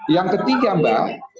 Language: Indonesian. yang ketiga mbak